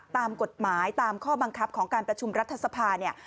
ตามกฎหมายตามข้อบังคับของการประชุมรัฐสภาเนี่ย